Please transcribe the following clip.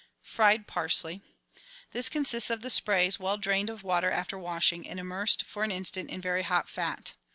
Fried Parsley. — This consists of the sprays, well drained of watei»after washing, and immersed for an instant in very hot fat.